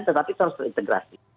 tetapi harus berintegrasi